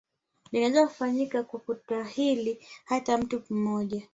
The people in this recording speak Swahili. Linaweza kufanyika kwa kutahiri hata mtu mmoja